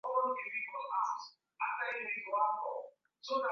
pia ardhi yenye rutuba kwa mifungo kama vile ngombe mbuzi kondoo na punda